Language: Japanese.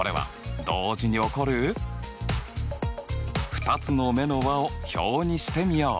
２つの目の和を表にしてみよう。